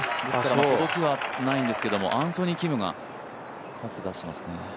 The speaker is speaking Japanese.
届きはしないんですけど、アンソニー・キムが出してますね。